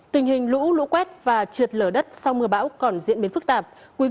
tình hình lũ lũ quét và trượt lở đất sau mưa bão còn diễn biến phức tạp